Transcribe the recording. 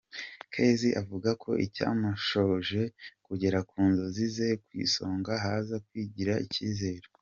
Kezi avuga ko icyamushoboje kugera ku nzozi ze ku isonga haza “Kwigirira icyizere”.